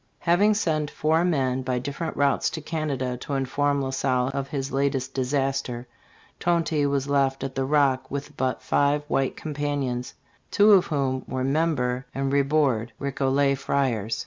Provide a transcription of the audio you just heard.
Having sent four men by different routes to Canada to inform La Salle of this latest disaster, Tonty was left at the Rock with but five white companions, two of whom were Membre and Ribourde, Recollet friars.